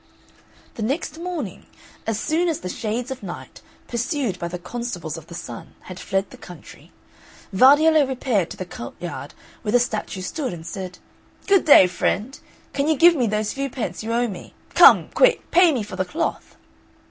The next morning, as soon as the shades of Night, pursued by the constables of the Sun, had fled the country, Vardiello repaired to the courtyard where the statue stood, and said, "Good day, friend! Can you give me those few pence you owe me? Come, quick, pay me for the cloth!"